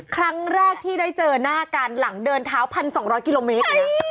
ครั้งแรกที่ได้เจอหน้ากันหลังเดินเท้า๑๒๐๐กิโลเมตร